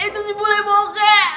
itu si bule bokeh